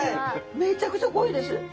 めちゃくちゃ濃いです。